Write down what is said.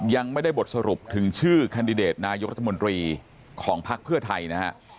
ยังไม่ได้บทสรุปถึงชื่อแคนดิเดตนายกรัฐมนตรีของภักดิ์เพื่อไทยนะฮะ